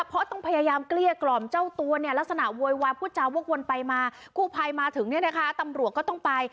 เพราะต้องพยายามเกลี้ยกล่อมเจ้าตัวเนี่ยลักษณะโวยวายพูดจาวกวนไปมากู้ภัยมาถึงเนี่ยนะคะตำรวจก็ต้องไป